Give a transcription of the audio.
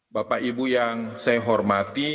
bapak ibu yang saya hormati